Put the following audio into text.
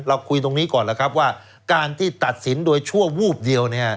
คุยตรงนี้ก่อนแล้วครับว่าการที่ตัดสินโดยชั่ววูบเดียว